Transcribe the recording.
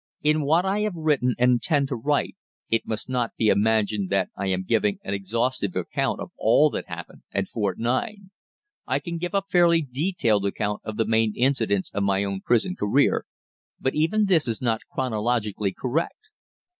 In what I have written and intend to write it must not be imagined that I am giving an exhaustive account of all that happened at Fort 9. I can give a fairly detailed account of the main incidents of my own prison career, but even this is not chronologically correct.